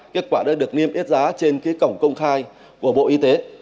kết quả đã được niêm yết giá trên cổng công khai của bộ y tế